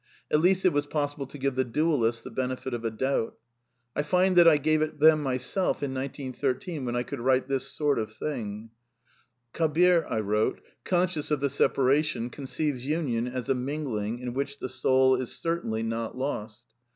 At least it was possible to give the dualists the benefit of a doubt. I find that I gave it them myself in 1913, when I could write this sort of thing: ^Kahlir, conscious of the separation, conceives union as a mingling in which the soul is certainlv [ I] not lost.